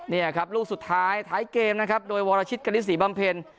นี่ครับลูกสุดท้ายท้ายเกมนะครับโดยวรชิตกณิตศรีบำเพ็ญ